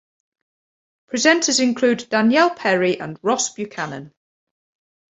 Presenters include Danielle Perry and Ross Buchanan.